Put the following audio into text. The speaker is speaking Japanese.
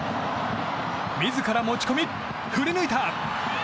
自ら持ち込み、振り抜いた！